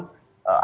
alat bantu medis